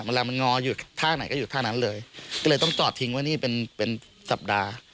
เวลามันงออยู่ท่าไหนก็อยู่ท่านั้นเลยก็เลยต้องจอดทิ้งไว้นี่เป็นเป็นสัปดาห์